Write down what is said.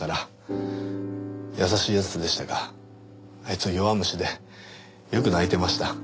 優しい奴でしたがあいつは弱虫でよく泣いてました。